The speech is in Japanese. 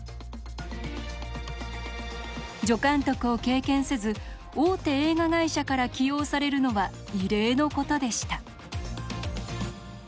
助監督を経験せず大手映画会社から起用されるのは異例のことでした。